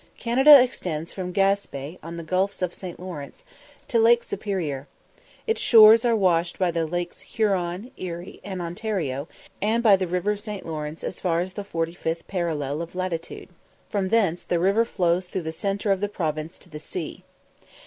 Canada extends from Gaspe, on the Gulf of St. Lawrence, to Lake Superior. Its shores are washed by the lakes Huron, Erie, and Ontario, and by the river St. Lawrence as far as the 45th parallel of latitude; from thence the river flows through the centre of the province to the sea.